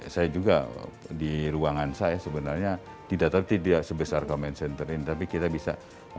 saya juga di ruangan saya sebenarnya tidak tertib tidak sebesar command center ini tapi kita bisa